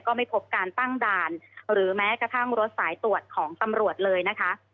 ก็ไม่พบการตั้งด่านหรือแม้กระทั่งรถสายตรวจของตำรวจเลยนะคะ